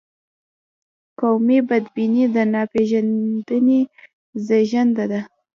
قومي بدبیني د ناپېژندنې زیږنده ده.